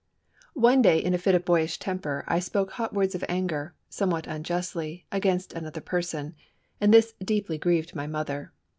One day, in a fit of boyish temper, I spoke hot words of anger, somewhat unjustly, against another person, and this deeply grieved my mother.